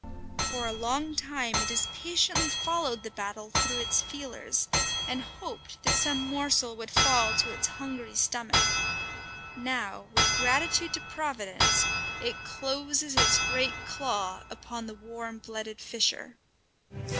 For a long time it has patiently followed the battle through its feelers, and hoped that some morsel would fall to its hungry stomach; now, with gratitude to Providence, it closes its great claw upon the warm blooded fisher.